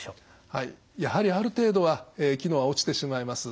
はいやはりある程度は機能は落ちてしまいます。